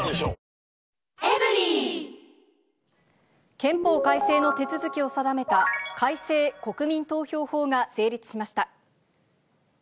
憲法改正の手続きを定めた、改正国民投票法が成立しました。